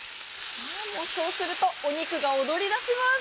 そうすると、お肉が踊り出します。